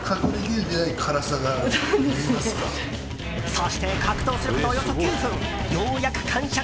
そして格闘することおよそ９分ようやく完食。